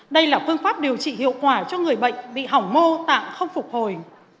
đây là phương pháp điều trị hiệu quả cho người bệnh bị hỏng mô tạng không phục hồi